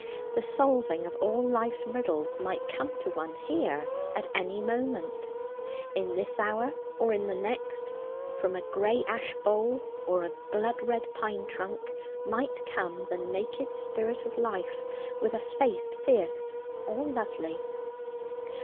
The solving of all life's riddles might come to one here at any moment. In this hour or in the next, from a grey ash bole or a blood red pine trunk, might come the naked spirit of life with a face fierce or lovely.